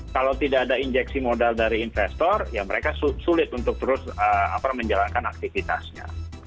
kalau tidak ada injeksi modal dari investor ya mereka sulit untuk terus menjalankan aktivitasnya